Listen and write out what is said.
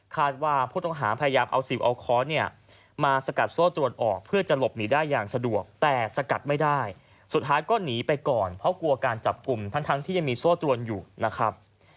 ใครจะหลบหนีได้อย่างสะดวกมันสะกัดไม่ได้สุดท้ายก็หนีไปก่อนเพราะกลัวการจับกลุ่มทั้งที่มีส้อตรวนอยู่นะครับ